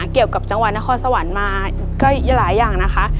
เกี่ยวกับจังหวัดนครสวรรค์มาก็หลายอย่างนะคะ